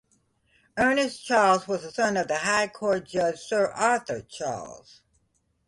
Ernest Charles was the son of the High Court judge Sir Arthur Charles.